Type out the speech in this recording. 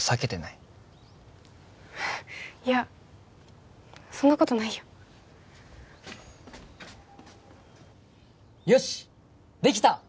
いやそんなことないよよしっできた！